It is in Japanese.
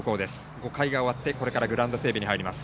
５回が終わって、これからグラウンド整備に入ります。